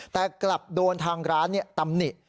แต่กลับโดนทางร้านตำหนิ